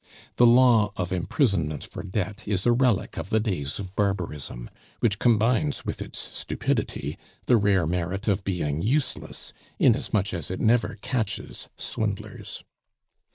The law of imprisonment for debt is a relic of the days of barbarism, which combines with its stupidity the rare merit of being useless, inasmuch as it never catches swindlers.